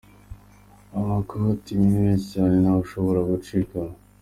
Amakoti ni menshi cyane ntawe ushobora gucikanwa.